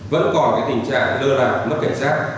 vẫn còn cái tình trạng lơ làng mất cảnh sát